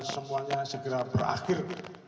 semuanya segera berakhir